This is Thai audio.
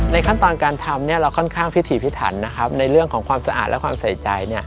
ในขั้นตอนการทำเนี่ยเราก็ค่อนข้างพิถีพิถันนะครับในเรื่องของความสะอาดและความใส่ใจเนี่ย